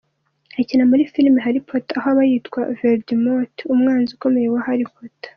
Akina muri filime ‘Harry Potter’ aho aba yitwa Valdemort umwanzi ukomeye wa Harry Potter.